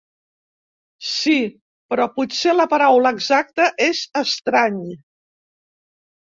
Sí, però potser la paraula exacta és estrany.